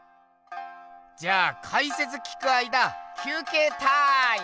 じゃあかいせつ聞く間きゅうけいターイム！